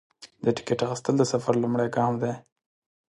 د ټکټ اخیستل د سفر لومړی ګام دی.